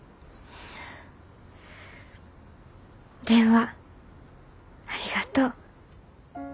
電話ありがとう。